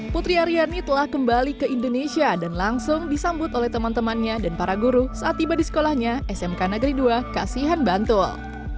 putri aryani telah kembali ke indonesia dan langsung disambut oleh teman temannya dan para guru saat tiba di sekolahnya smk negeri dua kasihan bantul